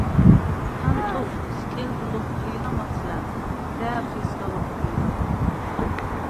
ჰანტოს სკელდ ლოხვთი̄ლა მაცლა̈ნ. და̄̈ვსი̄ სგა ლოხვთი̄ლა.